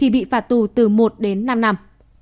bị phạt tù từ một đến năm năm